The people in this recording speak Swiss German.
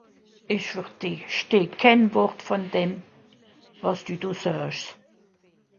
Ìch versteh kenn Wort vùn dem, wàs dü do saasch.